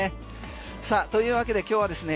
さあ、というわけで今日はですね